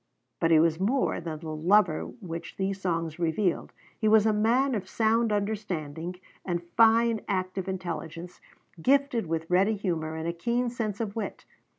But he was more than the lover which these songs revealed: he was a man of sound understanding and fine, active intelligence, gifted with ready humor and a keen sense of wit.